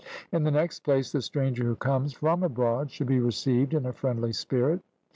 In the next place, the stranger who comes from abroad should be received in a friendly spirit.